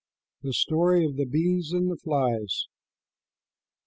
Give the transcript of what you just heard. THE STORY OF THE BEES AND THE FLIES.